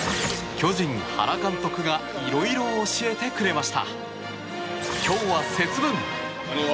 巨人、原監督がいろいろ教えてくれました。